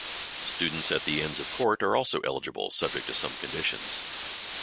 Students at the Inns of Court are also eligible subject to some conditions.